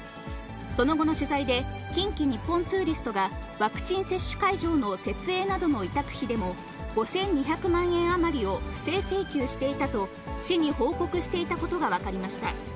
その後の取材で、近畿日本ツーリストがワクチン接種会場の設営などの委託費でも、５２００万円余りを不正請求していたと、市に報告していたことが分かりました。